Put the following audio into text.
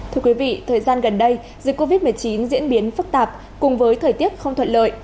thưa quý vị thời gian gần đây dịch covid một mươi chín diễn biến phức tạp cùng với thời tiết không thuận lợi